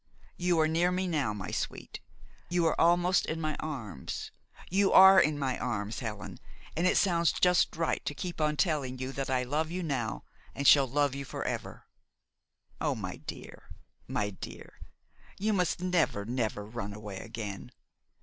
You are near me now, my sweet. You are almost in my arms. You are in my arms, Helen, and it sounds just right to keep on telling you that I love you now and shall love you for ever. Oh, my dear, my dear, you must never, never, run away again!